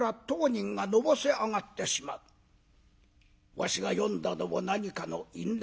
わしが読んだのも何かの因縁。